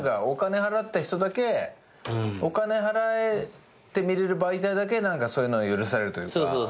お金払った人だけお金払って見れる媒体だけそういうのが許されるというか。